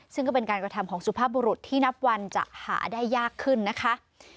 ซึ่งก็เป็นการกระทำของสุภาพบุรุษที่นับวันจะหาได้ยากขึ้นนะคะ